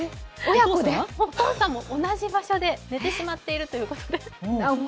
お父さんも同じ場所で寝てしまっているということなんです。